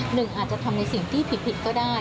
หนึ่งอาจจะทำในสิ่งที่ผิดก็ได้